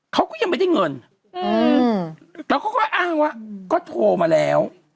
เขาก็ยังไม่ได้เงินแล้วเขาก็อ้างว่าก็โทรมาแล้ว